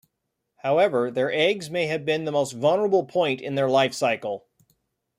However, their eggs may have been the most vulnerable point in their life cycle.